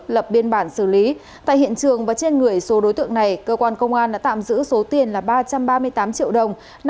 lập biên bản xử lý tại hiện trường và trên người số đối tượng này cơ quan công an đã tạm giữ số tiền là ba trăm ba mươi tám triệu đồng